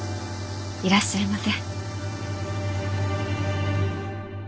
いらっしゃいませ。